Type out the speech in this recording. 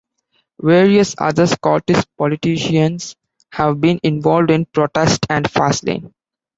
Various other Scottish politicians have been involved in protests at Faslane.